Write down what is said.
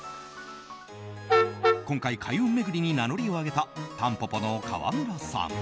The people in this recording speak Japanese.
今回、開運巡りに名乗りを上げたたんぽぽの川村さん。